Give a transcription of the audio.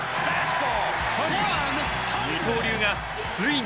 二刀流がついに覚醒。